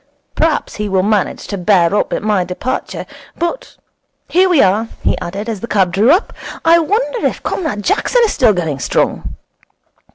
Perhaps he will manage to bear up at my departure. But here we are,' he added, as the cab drew up. 'I wonder if Comrade Jackson is still going strong.'